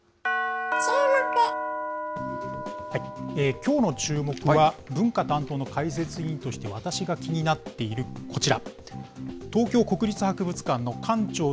きょうのチューモク！は、文化担当の解説委員として、私が気になっているこちら。